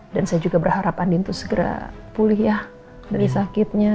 dan saya juga berharap andin tuh segera pulih ya dari sakitnya